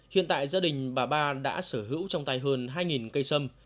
hiện tại gia đình bà ba đã sở hữu trong tay hơn hai cây sâm